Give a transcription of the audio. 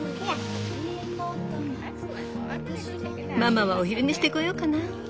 ママはお昼寝してこようかな。